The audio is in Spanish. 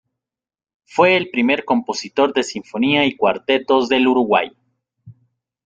Fue el primer compositor de sinfonía y cuartetos del Uruguay.